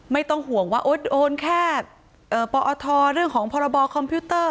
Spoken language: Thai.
ไม่ต้องห่วงว่าโอนแค่ปอทเรื่องของพรบคอมพิวเตอร์